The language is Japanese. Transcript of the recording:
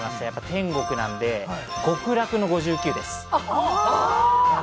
天国なので、極楽の５９です。